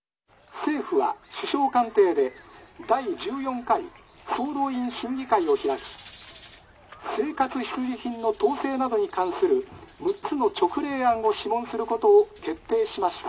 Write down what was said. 「政府は首相官邸で第１４回総動員審議会を開き生活必需品の統制などに関する６つの勅令案を諮問することを決定しました」。